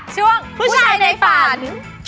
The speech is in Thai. ช่วงผู้ชายในฝัน